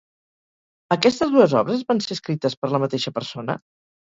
Aquestes dues obres van ser escrites per la mateixa persona?